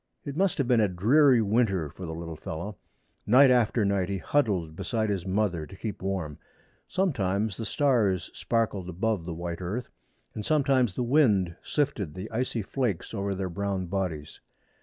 It must have been a dreary winter for the little fellow. Night after night he huddled beside his mother to keep warm. Sometimes the stars sparkled above the white earth, and sometimes the wind sifted the icy flakes over their brown bodies.